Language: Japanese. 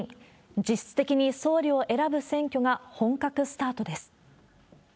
実質的に総理を選ぶ選挙が本格スタートです。